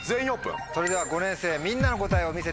それでは５年生みんなの答えを見せてもらいましょう。